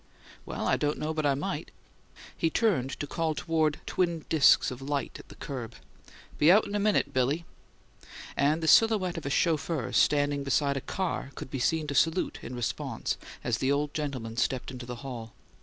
"Well, I don't know but I might." He turned to call toward twin disks of light at the curb, "Be out in a minute, Billy"; and the silhouette of a chauffeur standing beside a car could be seen to salute in response, as the old gentleman stepped into the hall.